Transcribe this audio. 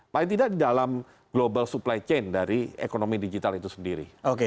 paling tidak di dalam global supply chain dari ekonomi digital itu sendiri